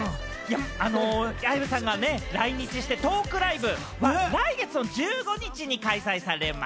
綾部さんが来日してトークライブ、来月の１５日に開催されます。